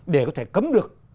để có thể cấm được